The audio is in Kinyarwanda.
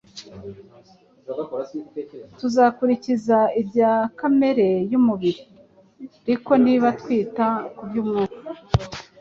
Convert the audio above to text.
tuzakurikiza ibya kamere y’umubiri, riko niba“twita” ku by’Umwuka,